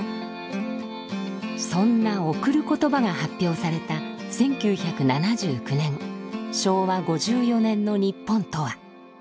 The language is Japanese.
そんな「贈る言葉」が発表された１９７９年昭和５４年の日本とは。